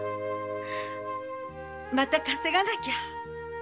また稼がなきゃ。